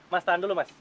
mas tahan dulu mas